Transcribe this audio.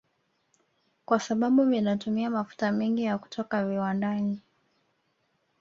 Kwa sababu vinatumia mafuta mengi ya kutoka viwandani